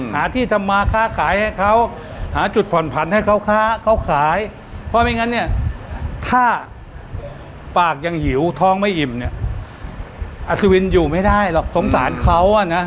หาที่ทำมาค้าขายให้เขาหาจุดผ่อนผันให้เขาค้าเขาขายเพราะไม่งั้นเนี่ยถ้าปากยังหิวท้องไม่อิ่มเนี่ยอัศวินอยู่ไม่ได้หรอกสงสารเขาอ่ะนะ